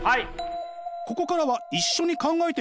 ここからは一緒に考えてみましょう！